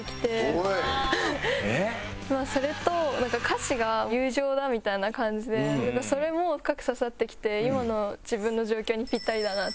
それと歌詞が「友情だ」みたいな感じでそれも深く刺さってきて今の自分の状況にピッタリだなって思いました。